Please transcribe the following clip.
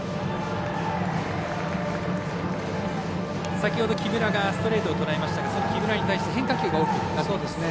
先ほど木村がストレートをとらえましたがその木村に対して変化球が多くなっています。